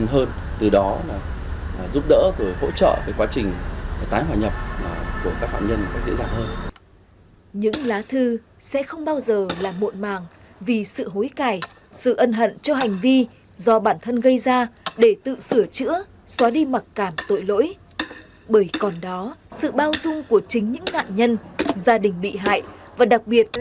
lời xin lỗi từ trại tạm giam cũng là một cách để họ xóa đi mập cảm của bản thân với người thân gia đình bị hại